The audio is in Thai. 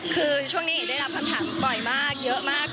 คือช่วงนี้หญิงได้รับคำถามบ่อยมากเยอะมาก